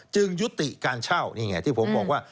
ยุติการเช่านี่ไงที่ผมบอกว่า